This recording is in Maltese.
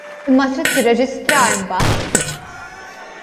Imma trid tirreġistraha imbagħad.